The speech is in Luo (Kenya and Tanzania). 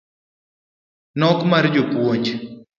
nok mar jopuonj